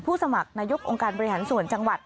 สมัครนายกองค์การบริหารส่วนจังหวัด